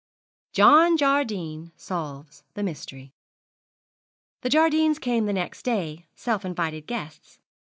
JOHN JARDINE SOLVES THE MYSTERY. The Jardines came the next day, self invited guests.